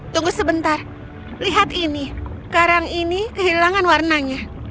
tunggu sebentar lihat ini karang ini kehilangan warnanya